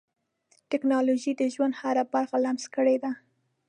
ټکنالوجي د ژوند هره برخه لمس کړې ده.